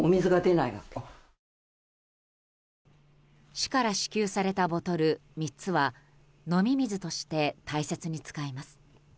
市から支給されたボトル３つは飲み水として大切に使います。